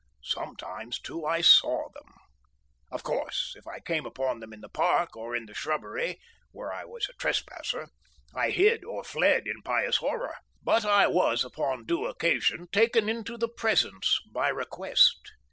Sometimes too I saw them. Of course if I came upon them in the park or in the shrubbery (where I was a trespasser) I hid or fled in pious horror, but I was upon due occasion taken into the Presence by request.